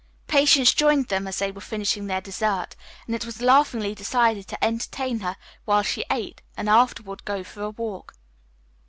Patience joined them as they were finishing their dessert, and it was laughingly decided to entertain her while she ate, and afterward go for a walk.